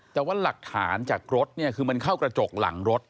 แต่ว่าหลักฐานจากรถเนี่ยคือมันเข้ากระจกหลังรถ